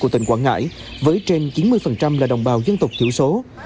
điểm trường đặc biệt khó khăn của tỉnh quảng ngãi với trên chín mươi là đồng bào dân tộc thiểu số